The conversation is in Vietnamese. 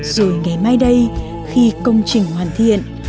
rồi ngày mai đây khi công trình hoàn thiện